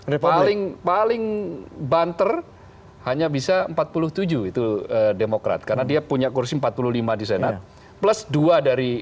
yang paling paling banter hanya bisa empat puluh tujuh itu demokrat karena dia punya kursi empat puluh lima di senat plus dua dari